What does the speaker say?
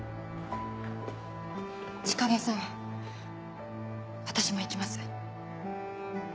千景さん私も行きます。